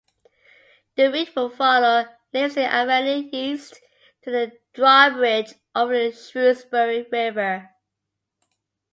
The route would follow Navesink Avenue east to the drawbridge over the Shrewsbury River.